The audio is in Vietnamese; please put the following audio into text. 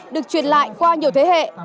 được truyền lại qua nhiều thế hệ